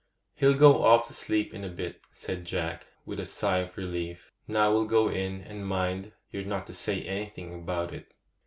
'He'll go off to sleep in a bit,' said Jack, with a sigh of relief. 'Now we'll go in; and mind, you're not to say anything about it.